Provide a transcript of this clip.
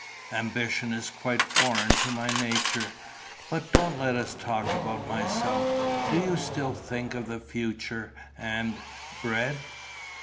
Ambition is quite foreign to my nature.... But don't let us talk about myself. Do you still think of the future and ... bread?"